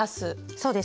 そうです。